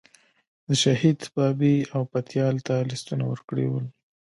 د شهید بابی او پتیال ته لیستونه ورکړي ول.